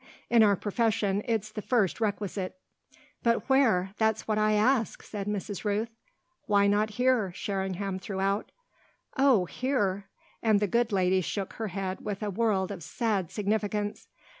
In our profession it's the first requisite." "But where? That's what I ask!" said Mrs. Rooth. "Why not here?" Sherringham threw out. "Oh here!" And the good lady shook her head with a world of sad significance.